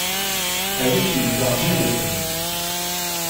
I wish you were down here with me!